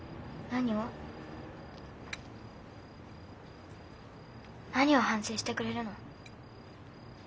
何を反省してくれるの？